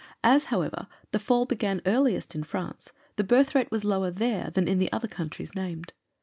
As, however, the fall began earliest in France, the birth rate was lower there than in the other countries named.